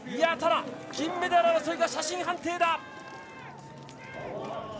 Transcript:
ただ、金メダル争いが写真判定だ。